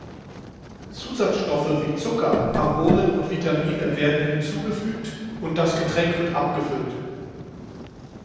Zusatzstoffe wie Zucker, Aromen und Vitamine werden hinzugefügt, und das Getränk wird abgefüllt.